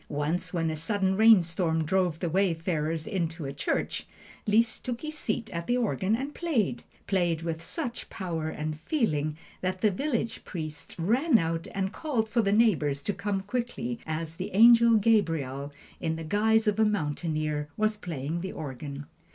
Once when a sudden rainstorm drove the wayfarers into a church, Liszt took his seat at the organ and played played with such power and feeling that the village priest ran out and called for the neighbors to come quickly, as the Angel Gabriel, in the guise of a mountaineer, was playing the organ.